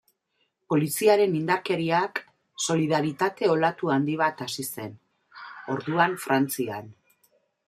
Poliziaren indarkeriak solidaritate olatu handi bat hasi zen, orduan, Frantzian.